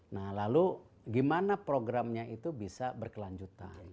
nah lalu gimana programnya itu bisa berkelanjutan